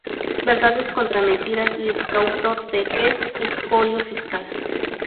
Verdades contra mentiras", y es coautor de "El expolio fiscal.